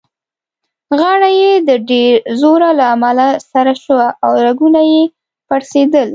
غاړه يې د ډېر زوره له امله سره شوه او رګونه يې پړسېدل.